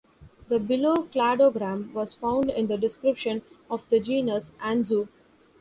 The below cladogram was found in the description of the genus "Anzu".